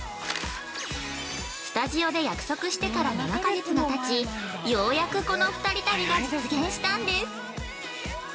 スタジオで約束してから７か月がたち、ようやくこの２人旅が実現したんです。